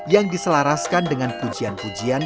yang diselaraskan dengan pujian pujian